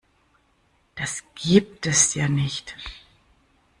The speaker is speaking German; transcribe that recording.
Das gibt es ja nicht!